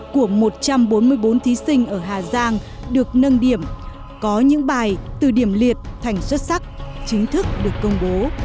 của một trăm bốn mươi bốn thí sinh ở hà giang được nâng điểm có những bài từ điểm liệt thành xuất sắc chính thức được công bố